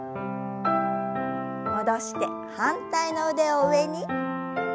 戻して反対の腕を上に。